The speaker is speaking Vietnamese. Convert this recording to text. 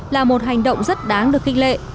là một hành động rất đáng được kinh lệ